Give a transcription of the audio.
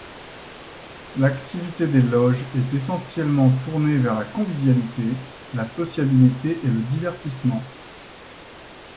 L'activité des loges est essentiellement tournée vers la convivialité, la sociabilité et le divertissement.